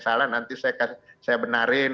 salah nanti saya benarin